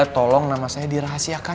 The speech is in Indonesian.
tolong nama saya dirahasiakan